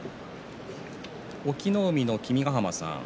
隠岐の海の君ヶ濱さん